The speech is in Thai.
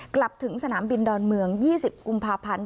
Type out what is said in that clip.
กลับถึงสนามบินดอนเมือง๒๐กุมภาพันธ์